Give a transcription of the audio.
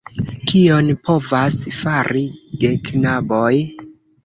Kion povas fari geknaboj?